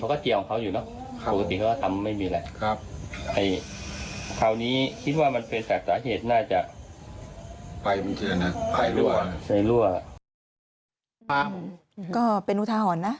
ก็เป็นอุทาหรณ์นะ